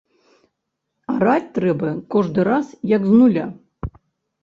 Араць трэба кожны раз як з нуля.